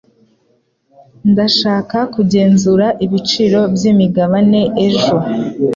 Ndashaka kugenzura ibiciro byimigabane ejo ...